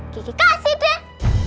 kiki kasih deh